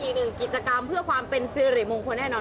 อีกหนึ่งกิจกรรมเพื่อความเป็นสิริมงคลแน่นอน